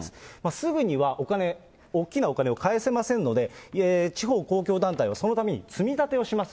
すぐにはお金、大きなお金を返せませんので、地方公共団体は、そのために積み立てをします。